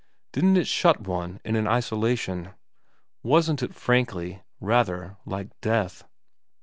Didn't it shut one in an isolation ? Wasn't it, frankly, rather like death